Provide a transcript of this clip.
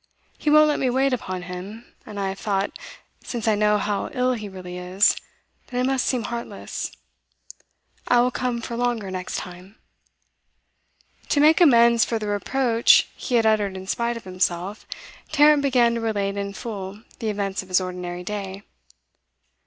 He won't let me wait upon him; and I have thought, since I know how ill he really is, that I must seem heartless. I will come for longer next time.' To make amends for the reproach he had uttered in spite of himself, Tarrant began to relate in full the events of his ordinary day.